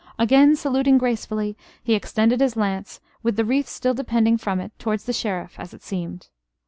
Again saluting gracefully, he extended his lance, with the wreath still depending from it, towards the Sheriff, as it seemed.